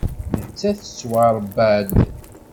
Nettat tettwaṛebba-d.